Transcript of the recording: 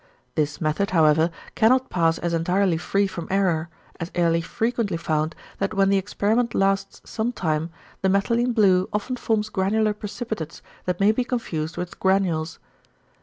This method, however, cannot pass as entirely free from error, as Ehrlich frequently found that when the experiment lasts some time the methylene blue often forms granular precipitates that may be confused with the granules.